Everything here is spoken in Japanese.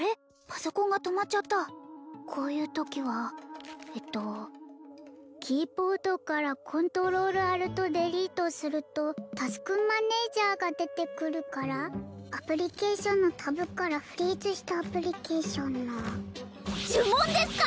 パソコンが止まっちゃったこういうときはえっとキーボードからコントロールアルトデリートするとタスクマネージャーが出てくるからアプリケーションのタブからフリーズしたアプリケーションの呪文ですか！？